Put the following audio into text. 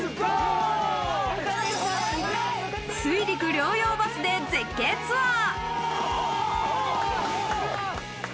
水陸両用バスで絶景ツアー。